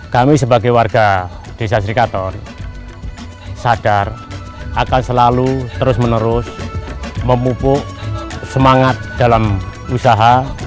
kami sebagai warga desa srikator sadar akan selalu terus menerus memupuk semangat dalam usaha